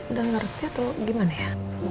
udah ngerti atau gimana ya